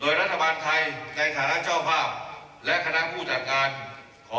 รัฐบาลไทยในฐานะเจ้าภาพและคณะผู้จัดการของ